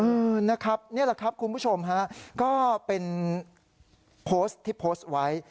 นะครับนี่แหละครับคุณผู้ชมฮะก็เป็นโพสต์ที่โพสต์ไว้